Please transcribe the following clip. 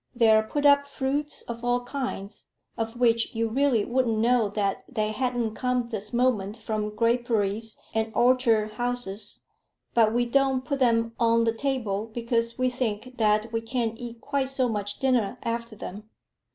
There are put up fruits of all kinds, of which you really wouldn't know that they hadn't come this moment from graperies and orchard houses; but we don't put them on the table, because we think that we can't eat quite so much dinner after them."